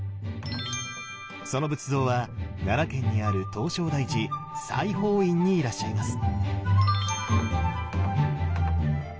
その仏像は奈良県にある唐招提寺西方院にいらっしゃいます。